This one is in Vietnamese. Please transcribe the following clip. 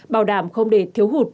bảo đảm không để thiếu hụt